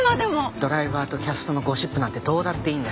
ドライバーとキャストのゴシップなんてどうだっていいんだよ。